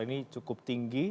ini cukup tinggi